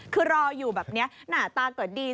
คือรออยู่แบบนี้หน้าตาเกิดดี